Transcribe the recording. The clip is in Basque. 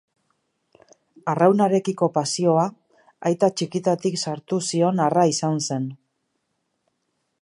Arraunarekiko pasioa aitak txikitatik sartu zion harra izan zen.